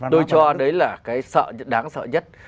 tôi cho đấy là cái đáng sợ nhất